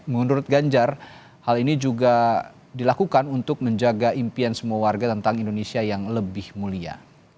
menurut ganjar hal ini juga dilakukan untuk menjaga impian semua warga tentang indonesia yang lebih mulia